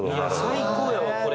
最高やわこれ。